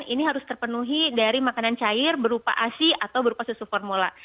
jadi maka harus terpenuhi dari makanan cair berupa asi atau berupa susu formula